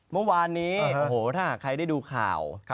เมื่อวานนี้ถ้าใครได้ดูข่าว